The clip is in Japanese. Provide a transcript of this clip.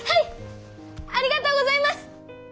ありがとうございます！